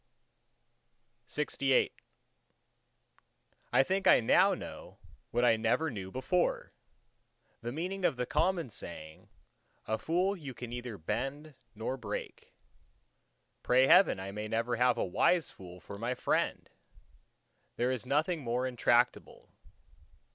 LXIX I think I know now what I never knew before—the meaning of the common saying, A fool you can neither bend nor break. Pray heaven I may never have a wise fool for my friend! There is nothing more intractable.